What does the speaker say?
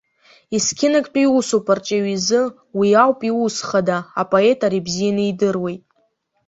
Есқьынагьтәи усуп арҿиаҩ изы, уи ауп иус хада, апоет ари бзианы идыруеит.